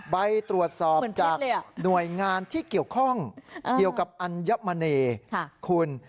ไปตรวจสอบจากหน่วยงานที่เกี่ยวข้องเกี่ยวกับอัญมณีคุณ